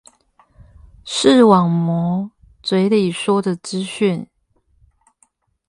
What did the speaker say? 視網膜嘴裡說的資訊